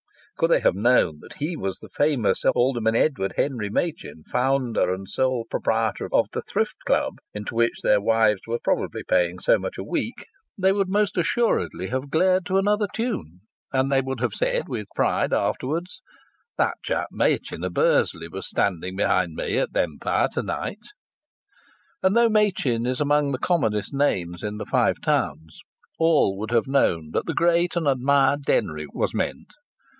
Could they have known that he was the famous Alderman Edward Henry Machin, founder and sole proprietor of the Thrift Club, into which their wives were probably paying so much a week, they would most assuredly have glared to another tune, and they would have said with pride afterwards: "That chap Machin o'Bursley was standing behind me at the Empire to night!" And though Machin is amongst the commonest names in the Five Towns, all would have known that the great and admired Denry was meant